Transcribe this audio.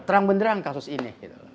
terang beneran kasus ini